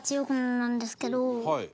なんですけど。